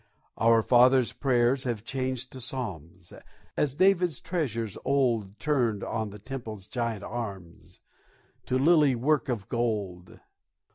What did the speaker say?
Our fathers' prayers have changed to psalms, As David's treasures old Turned, on the Temple's giant arms, To lily work of gold.